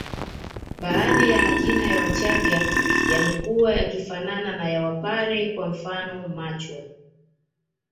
Baadhi ya majina ya Wachaga yamekuwa yakifanana na ya wapare kwa mfano Machwa